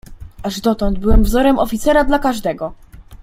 "Aż dotąd byłem wzorem oficera dla każdego."